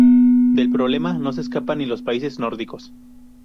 Del problema no se escapan ni los países nórdicos.